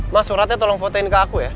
mas suratnya tolong fotoin ke aku ya